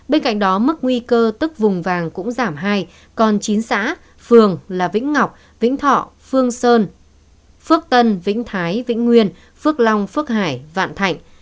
bên cạnh đó mức nguy cơ tức vùng vàng cũng giảm hai còn chín xã phường là vĩnh ngọc vĩnh thọ phương sơn phước tân vĩnh thái vĩnh nguyên phước long phước hải vạn thạnh